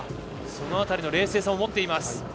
その辺りの冷静さも持っています。